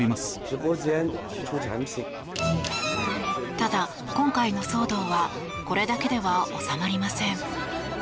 ただ、今回の騒動はこれだけでは収まりません。